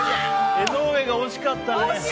江上が惜しかったね。